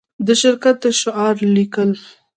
د شرکت د شعار لیکل